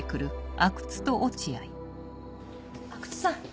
阿久津さん